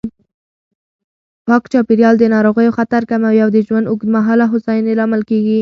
پاک چاپېریال د ناروغیو خطر کموي او د ژوند اوږدمهاله هوساینې لامل کېږي.